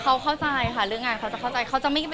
เขาเข้าใจค่ะเรื่องงานเขาจะเข้าใจ